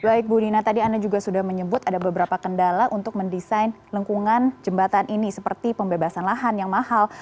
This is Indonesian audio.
baik bu dina tadi anda juga sudah menyebut ada beberapa kendala untuk mendesain lengkungan jembatan ini seperti pembebasan lahan yang mahal